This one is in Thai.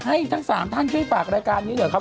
ให้ทั้ง๓ท่านช่วยฝากรายการนี้หน่อยครับ